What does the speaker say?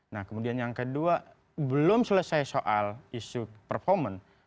nah kemudian yang kedua belum selesai soal isu performa